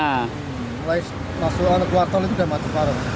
mulai pasulan keluar tol itu udah macet parah